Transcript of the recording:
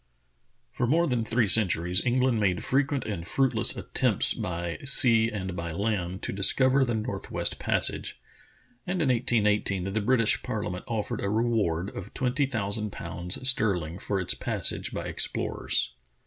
FOR more than three centuries England made fre quent and fruitless attempts by sea and by land to discover the northwest passage, and in 1818 the British Parliament offered a reward of twenty thousand pounds sterling for its passage by explorers.